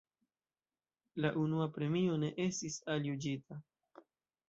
La unua premio ne estis aljuĝita.